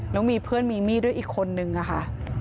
แล้วมีเพื่อนมีมีดด้วยอีกคนนึงค่ะ